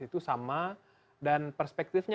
itu sama dan perspektifnya